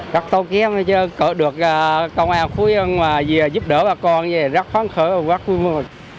các tàu kém được công an khu yên giúp đỡ bà con rất khó khăn khởi quá khui mơ